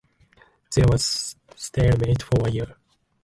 There was stalemate for a year.